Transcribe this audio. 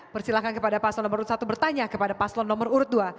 persilahkan kepada paslon nomor satu bertanya kepada paslon nomor urut dua